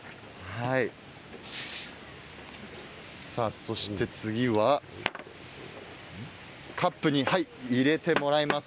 そして次はカップに入れてもらいます。